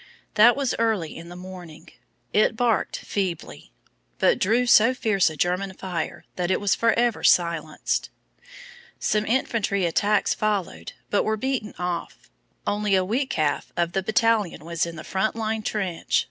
That was early in the morning. It barked feebly, twice, but drew so fierce a German fire that it was forever silenced. Some infantry attacks followed but were beaten off. Only a weak half of the battalion was in the front line trench.